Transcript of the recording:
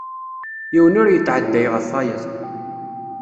Yiwen ur yetɛedday ɣef wayeḍ.